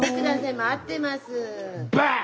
待ってます。